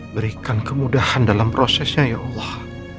berikan kemudahan dalam prosesnya ya allah